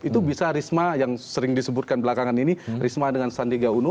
itu bisa risma yang sering disebutkan belakangan ini risma dengan sandi gauno